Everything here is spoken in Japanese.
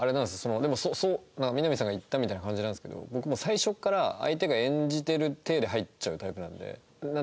でもみな実さんが言ったみたいな感じなんですけど僕もう最初から相手が演じてるテイで入っちゃうタイプなので。